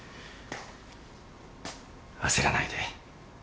焦らないで。